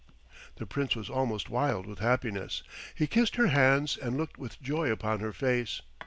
The Prince was almost wild with happiness. He kissed her hands and looked with joy upon her face.